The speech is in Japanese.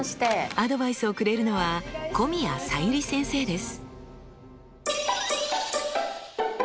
アドバイスをくれるのは古宮才由里先生です。